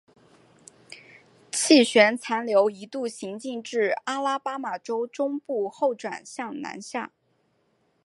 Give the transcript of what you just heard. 气旋残留一度行进至阿拉巴马州中部后转向南下。